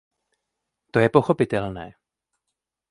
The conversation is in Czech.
To je pochopitelné.